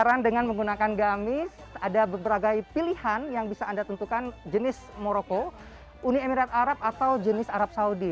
penasaran dengan menggunakan gamis ada berbagai pilihan yang bisa anda tentukan jenis moroko uni emirat arab atau jenis arab saudi